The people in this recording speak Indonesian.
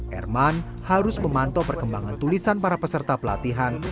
herman harus memantau perkembangan tulisan para peserta pelatihan